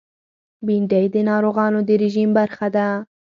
بېنډۍ د ناروغانو د رژیم برخه ده